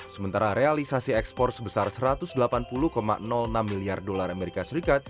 sementara realisasi ekspor sebesar satu ratus delapan puluh enam miliar dolar amerika serikat